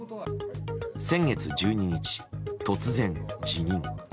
先月１２日、突然辞任。